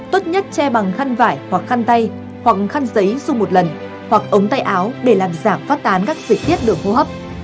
tốt nhất che bằng khăn vải hoặc khăn tay hoặc khăn giấy xung một lần hoặc ống tay áo để làm giảm phát tán các dịch tiết đường hô hấp